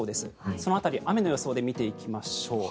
その辺り雨の予想で見ていきましょう。